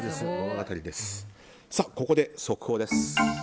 ここで、速報です。